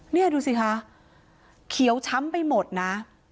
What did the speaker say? นี่ดูสิคะเขียวช้ำไปหมดนะ